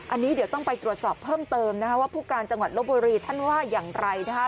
อันนี้เดี๋ยวต้องไปตรวจสอบเพิ่มเติมนะคะว่าผู้การจังหวัดลบบุรีท่านว่าอย่างไรนะคะ